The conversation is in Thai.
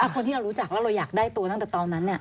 คนที่เรารู้จักแล้วเราอยากได้ตัวตั้งแต่ตอนนั้น